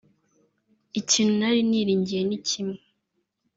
ikintu nari niringiye ni kimwe